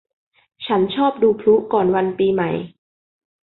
ฉันชอบดูพลุก่อนวันปีใหม่